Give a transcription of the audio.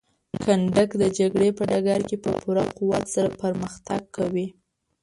کنډک د جګړې په ډګر کې په پوره قوت سره پرمختګ کوي.